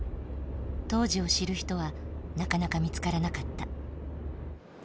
当時を知る人はなかなか見つからなかった。